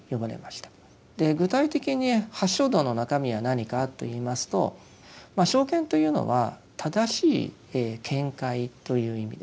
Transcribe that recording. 具体的に八正道の中身は何かといいますと「正見」というのは「正しい見解」という意味です。